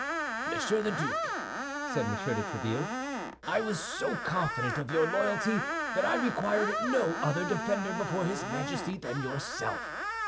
"Monsieur the Duke," said M. de Tréville, "I was so confident of your loyalty that I required no other defender before his Majesty than yourself.